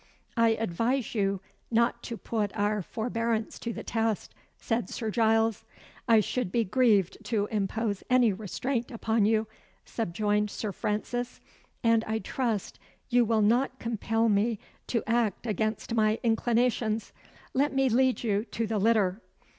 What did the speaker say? "I advise you not to put our forbearance to the test," said Sir Giles. "I should be grieved to impose any restraint upon you," subjoined Sir Francis; "and I trust you will not compel me to act against my inclinations. Let me lead you to the litter."